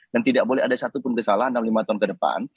dan tidak boleh ada satu pun kesalahan dalam lima tahun ke depan